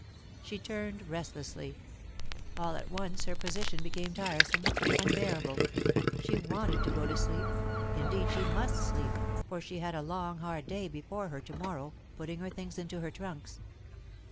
She turned restlessly. All at once her position became tiresome, unbearable. She wanted to go to sleep, indeed she must sleep, for she had a long hard day before her to morrow, putting her things into her trunks.